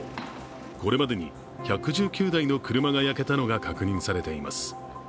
これまでに１１９台の車が焼けたのが確認されています。